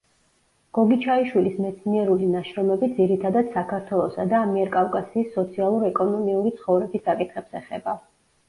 გოგიჩაიშვილის მეცნიერული ნაშრომები ძირითადად საქართველოსა და ამიერკავკასიის სოციალურ-ეკონომიური ცხოვრების საკითხებს ეხება.